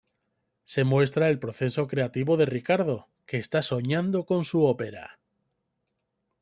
Se muestra el proceso creativo de Ricardo, que está soñando con su ópera.